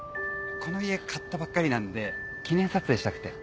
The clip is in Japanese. この家買ったばっかりなんで記念撮影したくて。